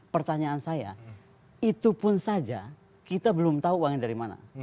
pertanyaan saya itu pun saja kita belum tahu uangnya dari mana